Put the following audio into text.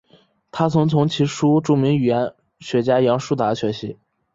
他曾从其叔著名语言学家杨树达学习。